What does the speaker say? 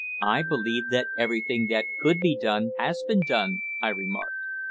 "I believe that everything that could be done has been done," I remarked.